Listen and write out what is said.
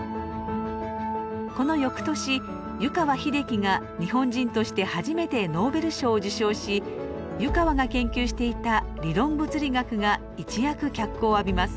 この翌年湯川秀樹が日本人として初めてノーベル賞を受賞し湯川が研究していた理論物理学が一躍脚光を浴びます。